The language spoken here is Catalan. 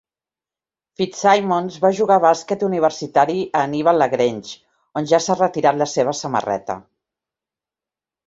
Fitzsimmons va jugar bàsquet universitari a Hannibal-LaGrange, on ja s'ha retirat la seva samarreta.